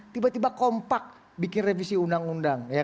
tiba tiba kompak bikin revisi undang undang